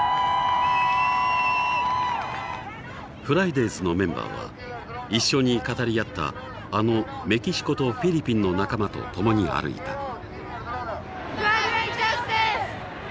フライデーズのメンバーは一緒に語り合ったあのメキシコとフィリピンの仲間と共に歩いた。